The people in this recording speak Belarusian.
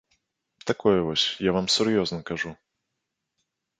Такое вось, я вам сур'ёзна кажу.